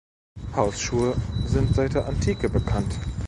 Hausschuhe sind seit der Antike bekannt.